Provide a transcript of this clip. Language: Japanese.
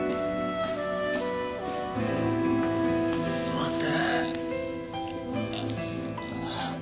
待て。